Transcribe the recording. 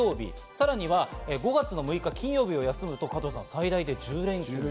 さらには５月の６日金曜日を休むと最大で１０連休。